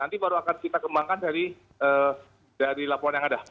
nanti baru akan kita kembangkan dari laporan yang ada